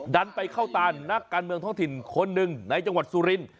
ดันไปเข้าตานนักการเมืองท้องถิ่นคนหนึ่งในจังหวัดสุรินทร์